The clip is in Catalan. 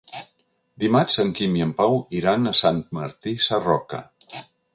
Dimarts en Quim i en Pau iran a Sant Martí Sarroca.